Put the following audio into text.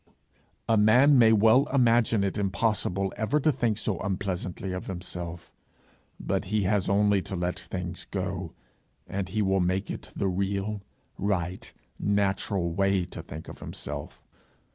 A man may well imagine it impossible ever to think so unpleasantly of himself! But he has only to let things go, and he will make it the real, right, natural way to think of himself.